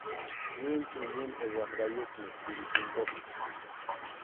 Llimpʼi llimpʼi raprayuqmi pillpintuqa.